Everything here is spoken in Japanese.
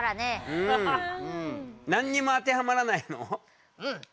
うん何にも当てはまらない。